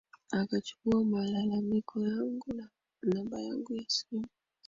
akachukua malalamiko yangu na namba yangu ya simu